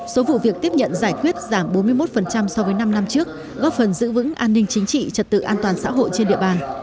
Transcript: số vụ việc tiếp nhận giải quyết giảm bốn mươi một so với năm năm trước góp phần giữ vững an ninh chính trị trật tự an toàn xã hội trên địa bàn